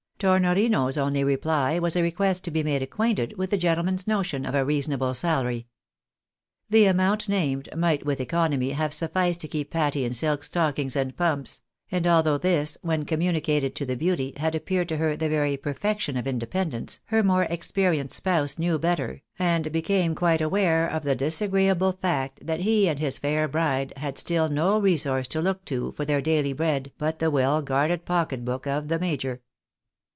Tornorino's only reply was a request to be made acquainted with the gentleman's notion of a reasonable salary. The amount named might, with economy, have sufficed to keep Patty in silk stockings and pumps ; and although this, when com municated to the beauty, had appeared to her the very perfection of independence, her more experienced spouse knew better, and be came quite aware of the disagreeable fact that he and his fair bride had still no resource to look to for their daily bread, but the well guarded pocket book of the major.